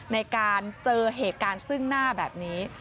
ในการเจอเหตุการณ์ซึ่งหน้าแบบนี้